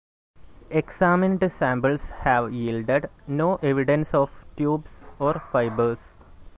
Examined samples have yielded no evidence of tubes or fibres.